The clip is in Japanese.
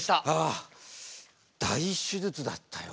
大手術だったよ